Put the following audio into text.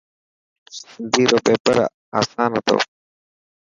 سنڌي رو پيپر اسان هتو.